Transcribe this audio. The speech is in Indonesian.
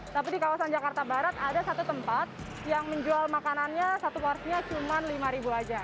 tapi di kawasan jakarta barat ada satu tempat yang menjual makanannya satu porsinya cuma lima ribu aja